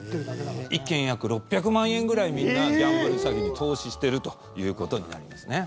１件、約６００万円ぐらいみんな、ギャンブル詐欺に投資してるということになりますね。